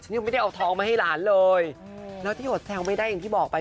ยังไม่ได้เอาทองมาให้หลานเลยแล้วที่อดแซวไม่ได้อย่างที่บอกไป